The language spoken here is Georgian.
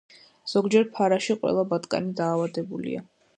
ზოგჯერ ფარაში ყველა ბატკანი დაავადებულია.